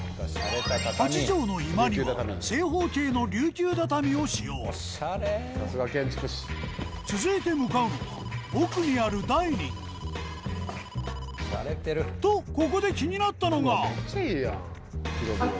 ８帖の居間には正方形の琉球畳を使用続いて向かうのは奥にあるダイニングとここで気になったのが！